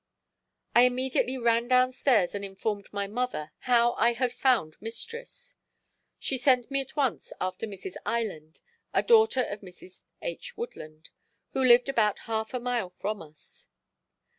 I immediately ran down stairs and informed my mother how I had found mistress. She sent me at once after Mrs. Island, a daughter of Mrs. H. Woodland, who lived about half a mile from us.